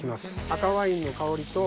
赤ワインの香りと。